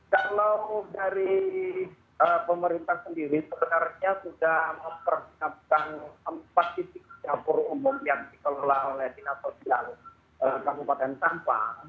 kalau dari pemerintah sendiri sebenarnya sudah mempersiapkan empat titik dapur umum yang dikelola oleh dinas sosial kabupaten sampang